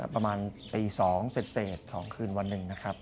ประมาณตี๒เสร็จของคืนวันหนึ่งนะครับ